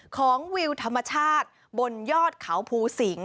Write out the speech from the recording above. วิวธรรมชาติบนยอดเขาภูสิง